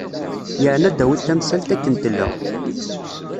Yeεni ad d-tawiḍ tamsalt akken tella.